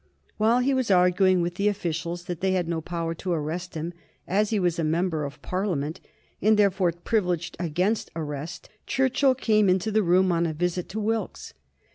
While he was arguing with the officials that they had no power to arrest him, as he was a member of Parliament and therefore privileged against arrest, Churchill came into the room on a visit to Wilkes.